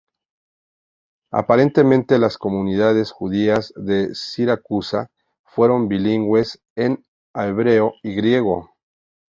Aparentemente las comunidades judías de Siracusa fueron bilingües en hebreo y griego.